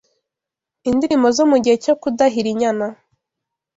indirimbo zo mu gihe cyo kudahira inyana